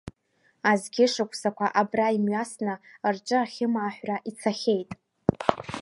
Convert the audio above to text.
Азқьышықәсақәа абра имҩасны рҿы ахьымааҳәра ицахьеит.